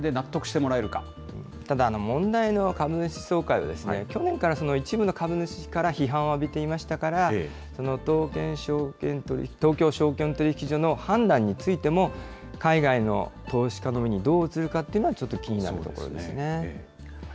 ただ、問題の株主総会は、去年から一部の株主から批判を浴びていましたから、東京証券取引所の判断についても、海外の投資家の目にどう映るかっていうのは、ちょっと気になるところですね。